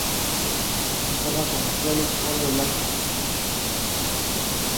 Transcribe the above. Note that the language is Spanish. En forma comercial, es un polvo blanco.